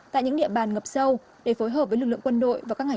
tại những địa bàn ngập sâu để phối hợp với lực lượng quân đội